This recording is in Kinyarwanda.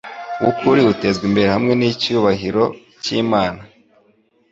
w’ukuri utezwa imbere hamwe n’icyubahiro cy’Imana,